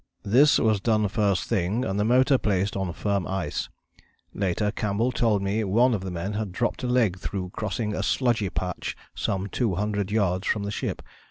"This was done first thing and the motor placed on firm ice. Later Campbell told me one of the men had dropped a leg through crossing a sludgy patch some 200 yards from the ship.